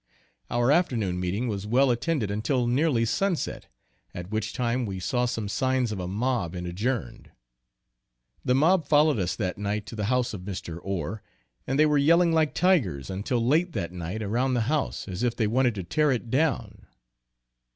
Our afternoon meeting was well attended until nearly sunset, at which time, we saw some signs of a mob and adjourned. The mob followed us that night to the house of Mr. Ore, and they were yelling like tigers, until late that night, around the house, as if they wanted to tear it down.